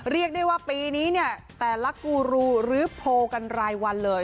เรียกได้ว่าปีนี้เนี่ยแต่ละกูรูหรือโพลกันรายวันเลย